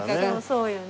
そうよね。